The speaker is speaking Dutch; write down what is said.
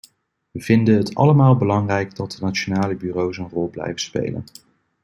We vinden het allemaal belangrijk dat de nationale bureaus een rol blijven spelen.